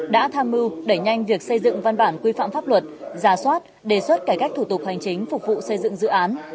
đã tham mưu đẩy nhanh việc xây dựng văn bản quy phạm pháp luật ra soát đề xuất cải cách thủ tục hành chính phục vụ xây dựng dự án